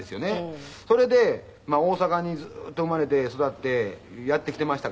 それで大阪にずっと生まれて育ってやってきてましたから。